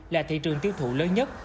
là thị trường tiêu thụ lớn nhất